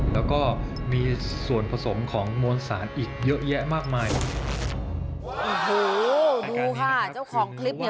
แล้วก็มีส่วนผสมของมวลสารอีกเยอะแยะมากมายโอ้โหดูค่ะเจ้าของคลิปเนี่ย